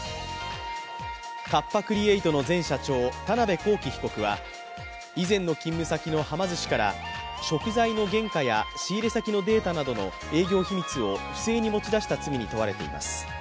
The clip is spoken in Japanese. カッパ・クリエイトの前社長田辺公己被告は以前の勤務先のはま寿司から食材の原価や仕入れ先のデータなどを営業秘密を不正に持ち出した罪に問われています。